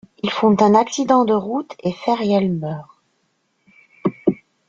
Ils font un accident de route et Feriel meurt.